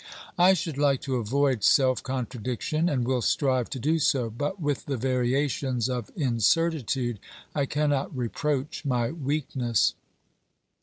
I should like to avoid self contradiction and will strive to do so, but with the variations of incertitude I cannot reproach my weakness.